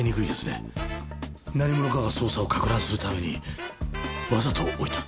何者かが捜査をかく乱するためにわざと置いた。